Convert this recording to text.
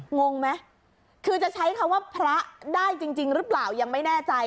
งงไหมคือจะใช้คำว่าพระได้จริงหรือเปล่ายังไม่แน่ใจ